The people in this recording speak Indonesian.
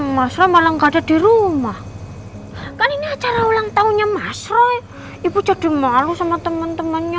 mas rom malah nggak ada di rumah kan ini acara ulang tahunnya mas roy ibu jadi maru sama teman temannya